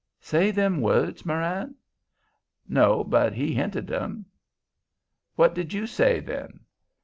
"Say them words, Marann?" "No, but he hinted 'em." "What did you say then?"